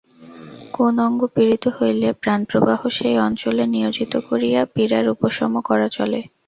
কোন অঙ্গ পীড়িত হইলে প্রাণপ্রবাহ সেই অঞ্চলে নিয়োজিত করিয়া পীড়ার উপশম করা চলে।